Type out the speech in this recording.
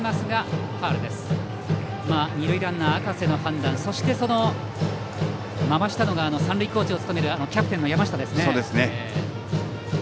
二塁ランナー、赤瀬の判断そして回したのが三塁コーチを務めるキャプテンの山下ですね。